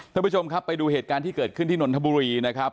ท่านผู้ชมครับไปดูเหตุการณ์ที่เกิดขึ้นที่นนทบุรีนะครับ